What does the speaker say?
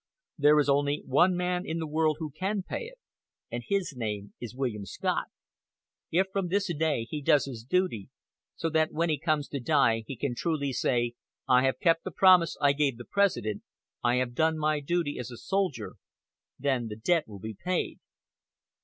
There is only one man in the world who can pay it, and his name is William Scott. If from this day he does his duty so that when he comes to die he can truly say 'I have kept the promise I gave the President. I have done my duty as a soldier,' then the debt will be paid."